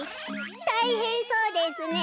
たいへんそうですね。